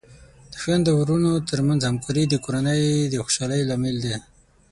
د خویندو ورونو ترمنځ همکاري د کورنۍ د خوشحالۍ لامل دی.